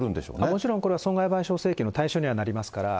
もちろん、これは損害賠償請求の対象にはなりますから。